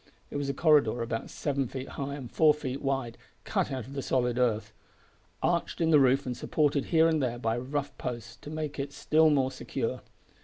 It was a corridor about seven feet high and four feet wide cut out of the solid earth; arched in the roof and supported here and there by rough posts to make it still more secure.